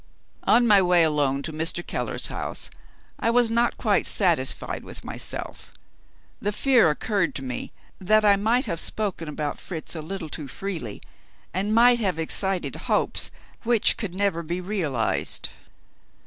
On my way alone to Mr. Keller's house, I was not quite satisfied with myself. The fear occurred to me that I might have spoken about Fritz a little too freely, and might have excited hopes which could never be realized.